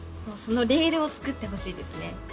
もうそのレールをつくってほしいですね